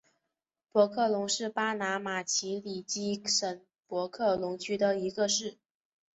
博克龙是巴拿马奇里基省博克龙区的一个市。